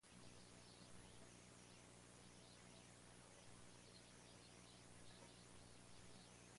Wasser, Schiene, Straße, Luft, Museo Zeppelin, Friedrichshafen, Alemania.